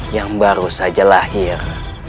yang baru saja lahir